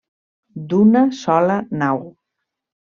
D'una sola nau.